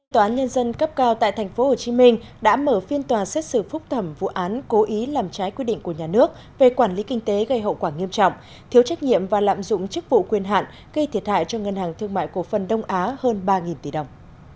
tòa án nhân dân cấp cao tại tp hcm đã mở phiên tòa xét xử phúc thẩm vụ án cố ý làm trái quy định của nhà nước về quản lý kinh tế gây hậu quả nghiêm trọng thiếu trách nhiệm và lạm dụng chức vụ quyền hạn gây thiệt hại cho ngân hàng thương mại cổ phần đông á hơn ba tỷ đồng